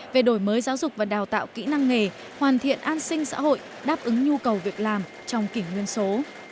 về đổi mới giáo dục và đào tạo kỹ năng nghề hoàn thiện an sinh xã hội đáp ứng nhu cầu việc làm trong kỷ nguyên số